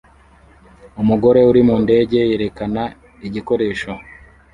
Umugore uri mu ndege yerekana igikoresho